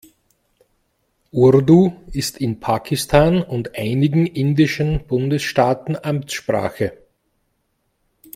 Urdu ist in Pakistan und einigen indischen Bundesstaaten Amtssprache.